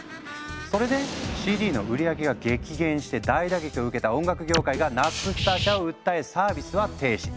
それでＣＤの売り上げが激減して大打撃を受けた音楽業界がナップスター社を訴えサービスは停止。